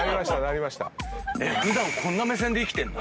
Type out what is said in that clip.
こんな目線で生きてんの？